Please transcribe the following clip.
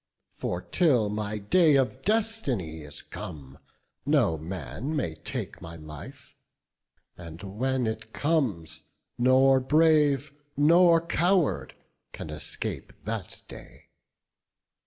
For till my day of destiny is come, No man may take my life; and when it comes, Nor brave nor coward can escape that day.